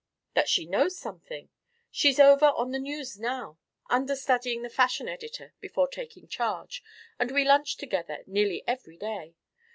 "That she knows something. She's over on the News now, understudying the fashion editor before taking charge, and we lunch together nearly every day.